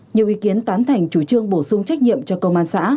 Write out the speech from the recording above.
nhiều ý kiến tán thành chủ trương bổ sung trách nhiệm cho công an xã